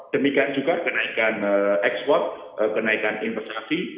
demikian juga kenaikan ekspor kenaikan investasi